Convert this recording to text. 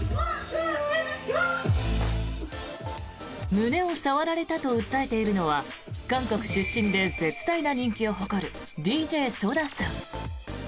胸を触られたと訴えているのは韓国出身で絶大な人気を誇るＤＪＳＯＤＡさん。